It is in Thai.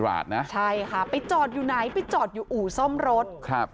ราชนะใช่ค่ะไปจอดอยู่ไหนไปจอดอยู่อู่ซ่อมรถครับ